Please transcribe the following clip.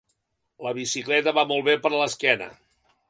La bicicleta va molt bé per a l'esquena.